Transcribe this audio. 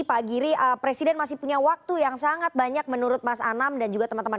pak giri presiden masih punya waktu yang sangat banyak menurut mas anam dan juga teman teman